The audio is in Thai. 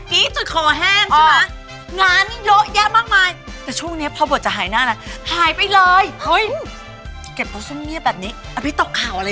มีครอบครัวก่อนแสดงงานไปเลี้ยงลูกหรือว่าไปชมนมหรือว่าทำอะไร